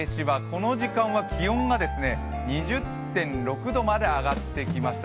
この時間は、気温が２０．６度まで上がってきました。